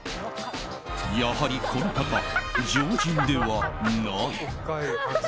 やはりこの方、常人ではない。